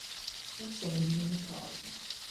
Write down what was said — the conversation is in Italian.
Persone di nome Carl